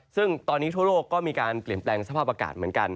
ซึ่งตอนนี้ทั่วโลกก็มีการเปลี่ยนแปลงสภาพอากาศเหมือนกัน